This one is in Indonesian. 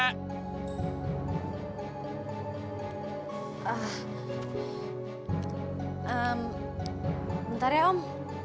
bentar ya om